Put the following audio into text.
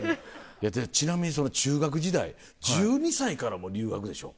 ちなみに中学時代１２歳からもう留学でしょ？